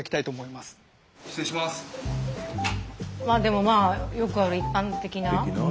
まあでもよくある一般的な。